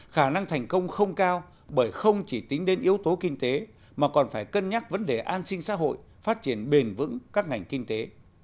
khả năng thành công không cao bởi không chỉ tính đến yếu tố kinh tế mà còn phải cân nhắc vấn đề an sinh xã hội phát triển bền vững các ngành kinh tế